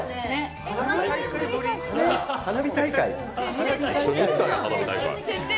花火大会？